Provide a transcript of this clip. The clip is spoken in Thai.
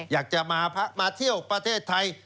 อยากจะมาพระมาเที่ยวประเทศไทย